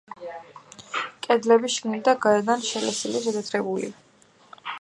კედლები შიგნით და გარედან შელესილი და შეთეთრებულია.